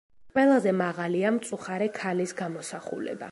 ყველაზე მაღალია მწუხარე ქალის გამოსახულება.